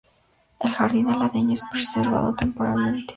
El jardín aledaño es preservado temporalmente.